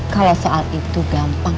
kalau soal itu gampang